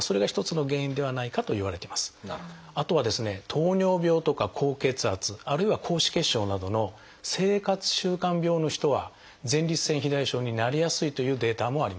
糖尿病とか高血圧あるいは高脂血症などの生活習慣病の人は前立腺肥大症になりやすいというデータもあります。